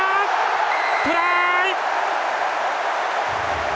トライ！